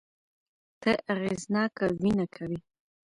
ته اغېزناکه وينه کوې